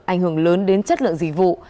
ảnh hưởng lớn đến chất lượng dịch vụ